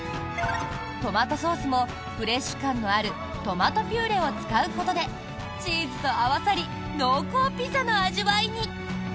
トマトソースもフレッシュ感のあるトマトピューレを使うことでチーズと合わさり濃厚ピザの味わいに。